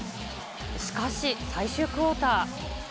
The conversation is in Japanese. しかし、最終クオーター。